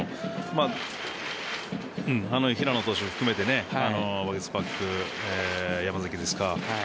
平野投手を含めてワゲスパック、山崎ですか。